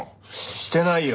してないよ。